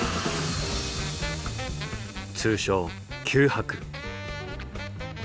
通称九博。